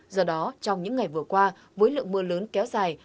do đó trong những ngày vừa qua với lượng mưa lớn kéo dài